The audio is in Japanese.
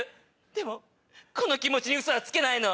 でもこの気持ちにウソはつけないの。